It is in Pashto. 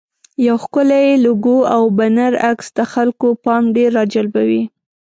یو ښکلی لوګو او بنر عکس د خلکو پام ډېر راجلبوي.